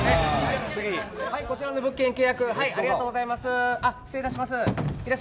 はい、こちらの物件の契約ありがとうございます。